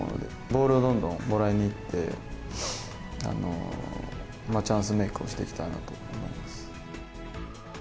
ボールをどんどんもらいにいって、チャンスメイクをしていきたいなと思います。